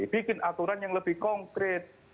bikin aturan yang lebih konkret